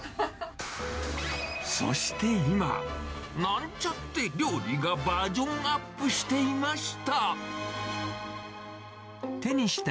そして今、なんちゃって料理がバージョンアップしていました。